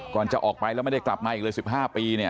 จะออกไปแล้วไม่ได้กลับมาอีกเลย๑๕ปีเนี่ย